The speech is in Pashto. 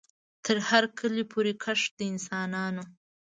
تر هر کلي پوري کښ د انسانانو